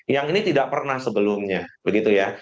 yang ini tidak pernah sebelumnya